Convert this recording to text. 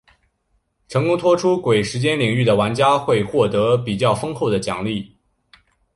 成功脱出鬼时间领域的玩家会获得比较丰厚的奖励。